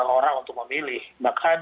orang untuk memilih bahkan